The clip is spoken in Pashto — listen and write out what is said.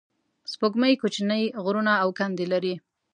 سپوږمۍ کوچنۍ غرونه او کندې لري